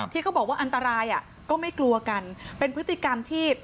ที่เขาบอกว่าอันตรายอ่ะก็ไม่กลัวกันเป็นพฤติกรรมที่